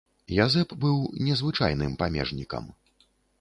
Язэп быў незвычайным памежнікам.